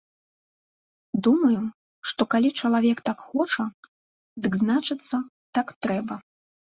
Думаю, што калі чалавек так хоча, дык значыцца, так трэба.